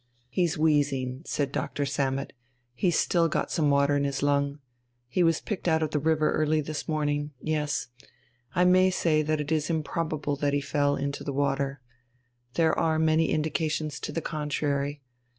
"He's wheezing," said Doctor Sammet, "he's still got some water in his lung. He was picked out of the river early this morning yes. I may say that it is improbable that he fell into the water. There are many indications to the contrary.